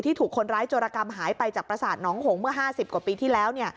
ถูกคนร้ายโจรกรรมหายไปจากประสาทหนองหงษเมื่อ๕๐กว่าปีที่แล้ว